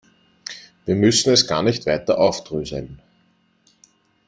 Wir müssen es gar nicht weiter aufdröseln.